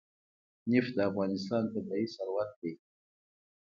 نفت د افغانستان طبعي ثروت دی.